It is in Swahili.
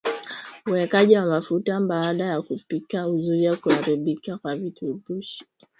Uwekaji wa mafuta baada ya kupika huzuia kuharibika kwa virutubishi